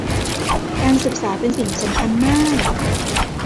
การศึกษาเป็นสิ่งสำคัญมาก